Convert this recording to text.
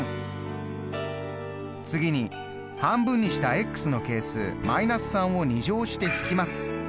次に半分にしたの係数−３を２乗して引きます。